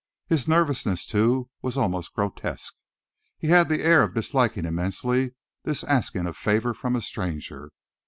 His nervousness, too, was almost grotesque. He had the air of disliking immensely this asking a favour from a stranger.